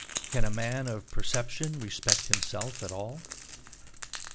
Can a man of perception respect himself at all?